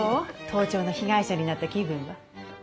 盗聴の被害者になった気分は。